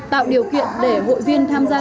tạo điều kiện để hội viên tham gia